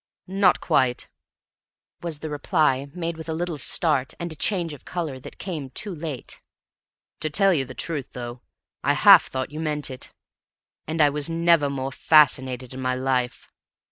"Not quite," was the reply, made with a little start, and a change of color that came too late. "To tell you the truth, though, I half thought you meant it, and I was never more fascinated in my life.